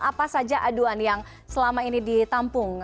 apa saja aduan yang selama ini ditampung